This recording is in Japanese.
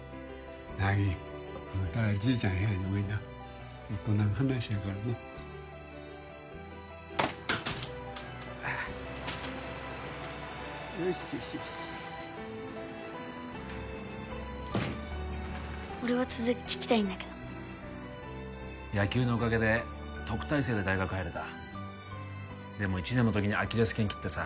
なぎ食べたらじいちゃんの部屋においな大人の話やからなああよしよしよし俺は続き聞きたいんだけど野球のおかげで特待生で大学入れたでも１年の時にアキレス腱切ってさ